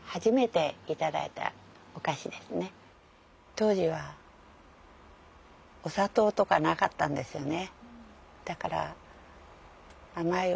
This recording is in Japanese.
当時はお砂糖とかなかったんですよね。